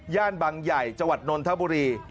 ย่านบังใหญ่จวัดนนทบุรี